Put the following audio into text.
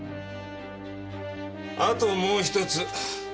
あともう一つ。